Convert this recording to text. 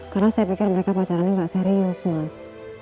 karena saya pikir mereka pacarannya gak serius mas